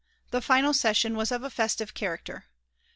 The final session was of a festive character.